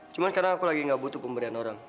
cuma sekarang aku lagi gak butuh pemberian orang